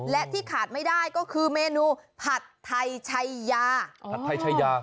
และที่ขาดไม่ได้ก็คือเมนูผัดไทยชัยยาผัดไทยชายา